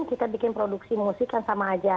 kita bikin produksi musik kan sama aja